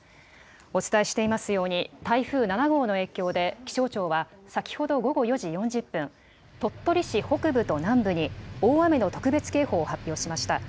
お伝えしていますように、台風７号の影響で、気象庁は先ほど午後４時４０分、鳥取市北部と南部に、大雨の特別警報を発表しました。